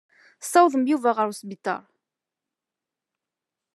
Tessawḍem Yuba ɣer wesbiṭar.